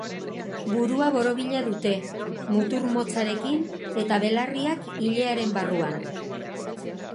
Burua borobila dute, mutur motzarekin eta belarriak ilearen barruan.